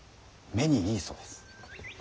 目にいいそうです。